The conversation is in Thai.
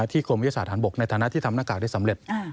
กรมวิทยาศาสตร์ฐานบกในฐานะที่ทำหน้ากากได้สำเร็จ